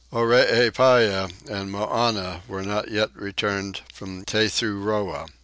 Oreepyah and Moannah were not yet returned from Tethuroa.